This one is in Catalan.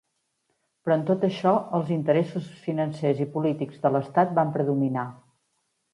Però en tot això els interessos financers i polítics de l'estat van predominar.